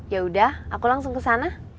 yaudah aku langsung ke sana